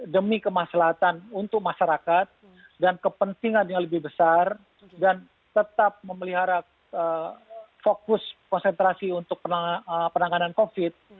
demi kemaslahan untuk masyarakat dan kepentingan yang lebih besar dan tetap memelihara fokus konsentrasi untuk penanganan covid